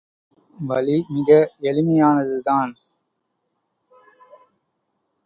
வழி மிக எளிமையானதுதான்.